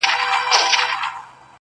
اوښکي دي پر مځکه درته ناڅي ولي.